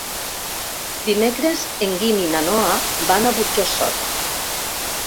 Dimecres en Guim i na Noa van a Burjassot.